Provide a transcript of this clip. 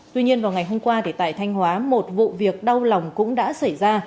tuy nhiên vào ngày hôm qua tại thanh hóa một vụ việc đau lòng cũng đã xảy ra